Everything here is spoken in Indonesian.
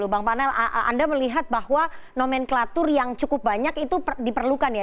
bang panel anda melihat bahwa nomenklatur yang cukup banyak itu diperlukan ya